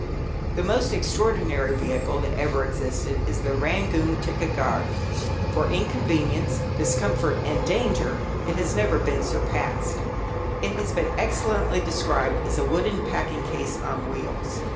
The most extraordinary vehicle that ever existed is the Rangoon "ticca gharry." For inconvenience, discomfort, and danger, it has never been surpassed. It has been excellently described as "a wooden packing case on wheels."